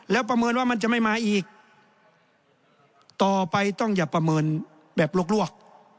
แล้วประเมินว่ามันจะไม่มาอีกต่อไปต้องอย่าประเมินแบบลวก